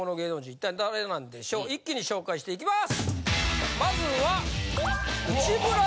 一体誰なんでしょう一気に紹介していきます！